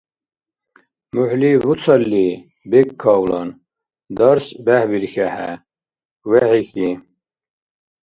МухӀли буцалли, бекӀ кавлан. Дарс бехӀбирхьехӀе. ВехӀихьи!